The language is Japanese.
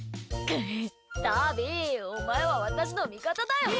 タビお前は私の味方だよな？